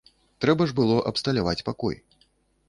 Трэба ж было абсталяваць пакой.